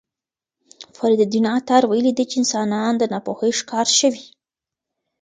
فریدالدین عطار ویلي چې انسانان د ناپوهۍ ښکار شوي.